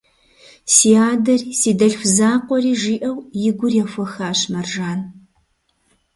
Си адэри, си дэлъху закъуэри, – жиӏэу, и гур ехуэхащ Мэржан.